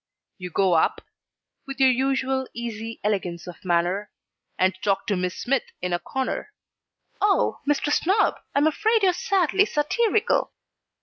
You go up (with our usual easy elegance of manner) and talk to Miss Smith in a corner. 'Oh, Mr. Snob, I'm afraid you're sadly satirical.'